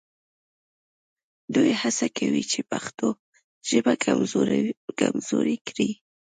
دوی هڅه کوي چې پښتو ژبه کمزورې کړي